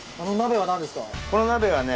この鍋はね。